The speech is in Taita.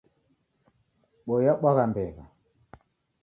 Boi yabwagha mbew'a.